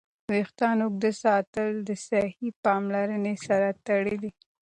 ویښتان اوږد ساتل د صحي پاملرنې سره تړلي.